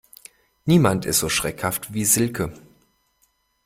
Niemand ist so schreckhaft wie Silke.